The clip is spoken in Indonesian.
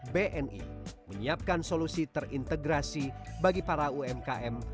bni menyiapkan solusi terintegrasi bagi para umkm